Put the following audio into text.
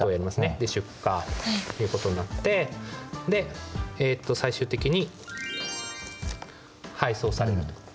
で出荷ということになってで最終的に配送されると。